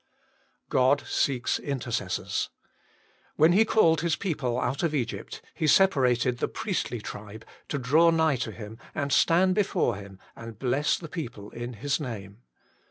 God seeks intercessors. When He called His people out of Egypt, He separated the priestly tribe, to draw nigh to Him, and stand before Him, and bless the people in His name.